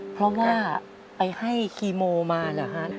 เพราะว่าไปให้คีโมมาเหรอฮะ